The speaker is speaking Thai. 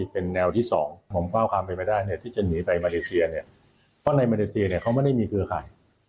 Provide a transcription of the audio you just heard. เพราะว่าในมาเลเซียเขาไม่ได้มีเครือไข่